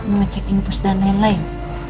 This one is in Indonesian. mau ngecek infus dan lain lain